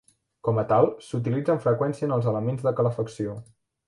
Com a tal, s'utilitza amb freqüència en els elements de calefacció.